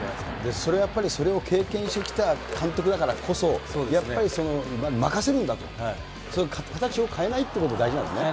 それはやっぱり、それを経験してきた監督だからこそ、やっぱり任せるんだと、そういう形を変えないということ、大事なんですね。